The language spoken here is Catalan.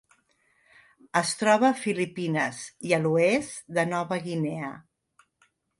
Es troba a Filipines i a l'oest de Nova Guinea.